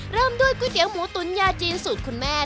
เริ่มด้วยก๋วยเตี๋ยวหมูตุ๋นยาจีนสูตรคุณแม่